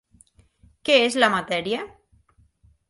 Què és la matèria?